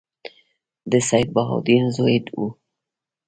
د سیدبهاءالدین زوی وو.